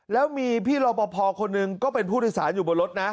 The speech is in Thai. แล้วมีพี่รอปภคนหนึ่งก็เป็นผู้โดยสารอยู่บนรถนะ